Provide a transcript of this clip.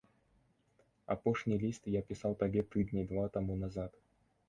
Апошні ліст я пісаў табе тыдні два таму назад.